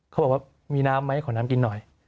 เขาบอกว่ามีน้ำไหมขอน้ำกินหน่อย